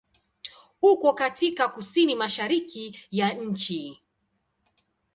Uko katika kusini-mashariki ya nchi.